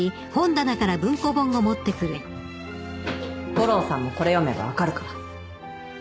悟郎さんもこれ読めば分かるから